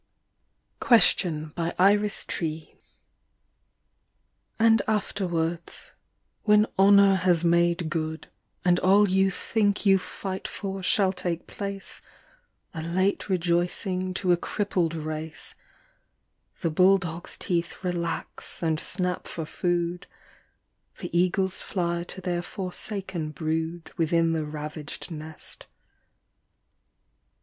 61 IRIS TREE. QUESTION. AND afterwards, when honour has made good, And all you think you fight for shall take place, A late rejoicing to a crippled race ; The bulldog's teeth relax and snap for food, The eagles fly to their forsaken brood, Within the ravaged nest.